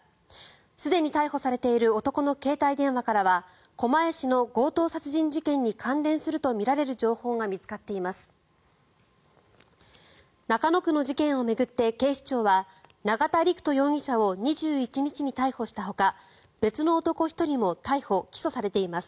すでに逮捕されている男の携帯電話からは狛江市の強盗殺人事件に関連するとみられる情報が見つかっています。